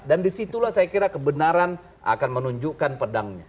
dan disitulah saya kira kebenaran akan menunjukkan pedangnya